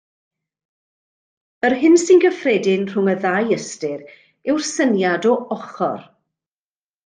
Yr hyn sy'n gyffredin rhwng y ddau ystyr, yw'r syniad o ochr.